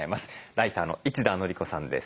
ライターの一田憲子さんです。